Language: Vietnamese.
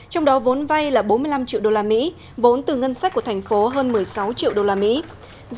trong đó vốn vay là bốn mươi năm triệu usd vốn từ ngân sách của thành phố hơn một mươi sáu triệu usd